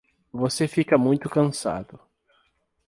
Você fica muito cansado!